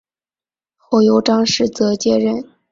后由张世则接任。